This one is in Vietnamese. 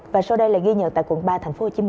và sau đây là ghi nhận tại quận ba tp hcm